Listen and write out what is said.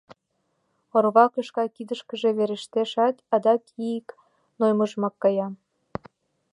Орва кыша кидешыже верештешат, адак ик нойымыжым кая...